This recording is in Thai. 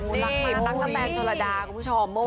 นี่ตั๊กกระแตนจรดาคุณผู้ชม